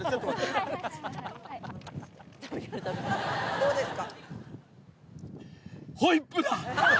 どうですか？